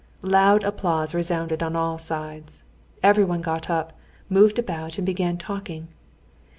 Loud applause resounded on all sides. Everyone got up, moved about, and began talking.